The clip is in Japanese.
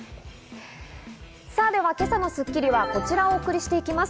では今朝の『スッキリ』はこちらをお送りしていきます。